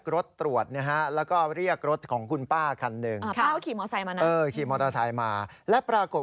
ลูกพี่หมามึงถ่ายมาเลยดิกู้